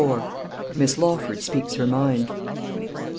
MISS LAWFORD SPEAKS HER MIND.